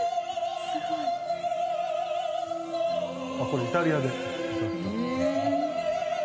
これ、イタリアです。